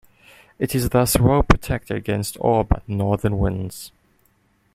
It is thus well protected against all but northern winds.